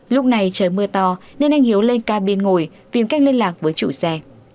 lúc này trời mưa to nên anh hiếu lên ca biên ngồi viêm cách liên lạc với chủ xe